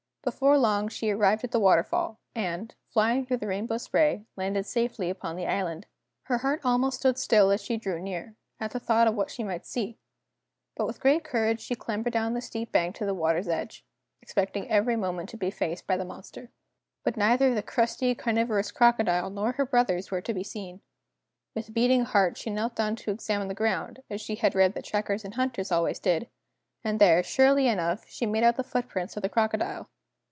Before long she arrived at the waterfall, and, flying through the rainbow spray, landed safely upon the island. Her heart almost stood still as she drew near, at the thought of what she might see. But with great courage she clambered down the steep bank to the water's edge, expecting every moment to be faced by the monster. [Illustration: "Look again, little one," said Waomba (p. 77).] But neither the crusty, carnivorous crocodile nor her brothers were to be seen. With beating heart she knelt down to examine the ground, as she had read that trackers and hunters always did, and there, surely enough, she made out the footprints of the crocodile!